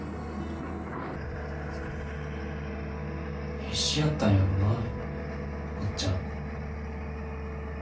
必死やったんやろなおっちゃん。